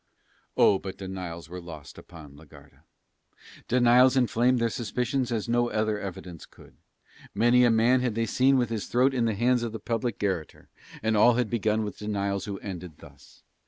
Oh but denials were lost upon la Garda. Denials inflamed their suspicions as no other evidence could. Many a man had they seen with his throat in the hands of the public garrotter; and all had begun with denials who ended thus.